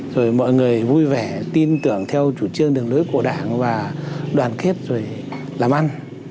rồi mọi người vui vẻ tin tưởng theo chủ trương đường lưới của đảng và đoàn kết rồi làm ăn